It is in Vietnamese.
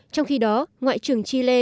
trong khi đó ngoại trưởng chile